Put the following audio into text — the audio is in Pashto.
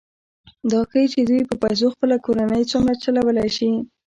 دا ښيي چې دوی په پیسو خپله کورنۍ څومره چلولی شي